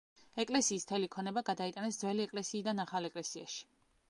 ეკლესიის მთელი ქონება გადაიტანეს ძველი ეკლესიიდან ახალ ეკლესიაში.